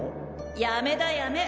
やめだやめ！